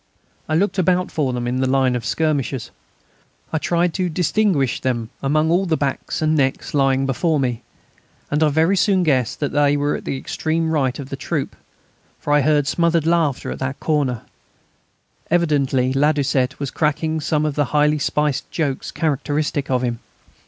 I looked about for them in the line of skirmishers. I tried to distinguish them among all the backs and necks lying before me. And I very soon guessed that they were at the extreme right of the troop, for I heard smothered laughter at that corner; evidently Ladoucette was cracking some of the highly spiced jokes characteristic of him.